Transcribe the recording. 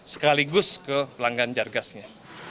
sekaligus ke pelanggan jar gasnya